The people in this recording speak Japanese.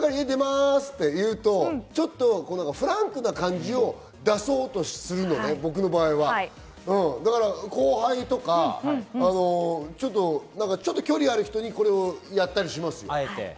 ちょっとフランクな感じを出そうとするのね、僕の場合は後輩とかちょっと距離ある人にこれをやったりしますよ。